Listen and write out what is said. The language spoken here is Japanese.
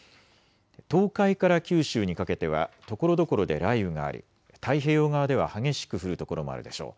東海から九州にかけてはところどころで雷雨があり太平洋側では激しく降る所もあるでしょう。